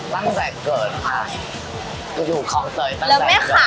ตั้งสูดเกิดนะคะ